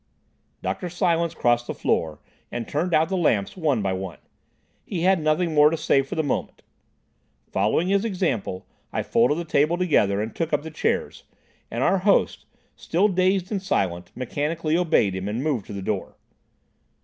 Dr. Silence crossed the floor and turned out the lamps one by one. He had nothing more to say for the moment. Following his example, I folded the table together and took up the chairs, and our host, still dazed and silent, mechanically obeyed him and moved to the door.